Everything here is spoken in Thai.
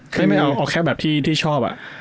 ใช่มั้ยเอาแค่แบบที่ชอบอ่ะ